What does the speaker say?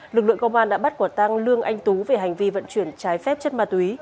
lực lượng công an đã bắt quả tang lương anh tú về hành vi vận chuyển trái phép chất ma túy